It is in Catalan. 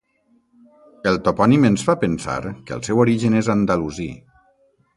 El topònim ens fa pensar que el seu origen és andalusí.